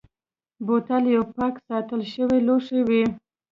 بوتل یو پاک ساتل شوی لوښی وي.